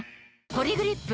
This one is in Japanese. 「ポリグリップ」